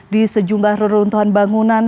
di sejumlah runtuhan bangunan